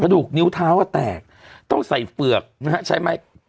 กระดูกนิ้วเท้าก็แตกต้องใส่เปลือกใช่ไหม